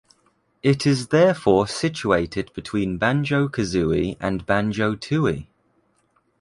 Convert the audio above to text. It is therefore situated between Banjo-Kazooie and Banjo-Tooie.